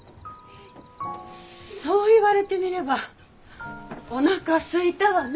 そう言われてみればおなかすいたわね。